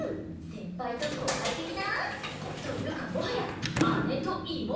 先輩と後輩的な？というかもはや姉と妹！